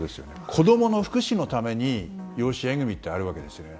子供の福祉のために養子縁組ってあるわけですよね。